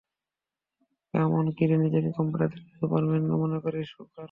কাম on কিরে নিজেকে computer দুনিয়ার সুপারম্যান মনে করিস হুকার হুকার?